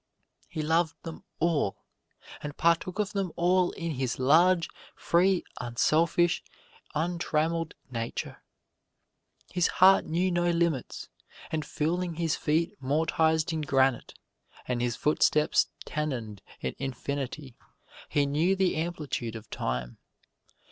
He loved them all and partook of them all in his large, free, unselfish, untrammeled nature. His heart knew no limits, and feeling his feet mortised in granite and his footsteps tenoned in infinity he knew the amplitude of time.